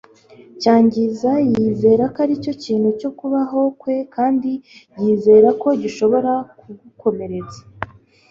cyangiza yizera ko aricyo kintu cyo kubaho kwe kandi yizera ko gishobora kugukomeretsa